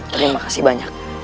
terima kasih banyak